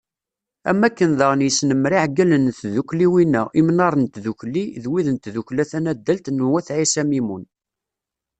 Am wakken daɣen yesnemmer iɛeggalen n tdukkliwin-a Imnar n Tdukli d wid n tdukkla tanaddalt n wat Ɛisa Mimun.